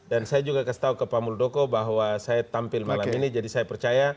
dan saya juga kasih tahu ke pak muldoko bahwa saya tampil malam ini jadi saya percaya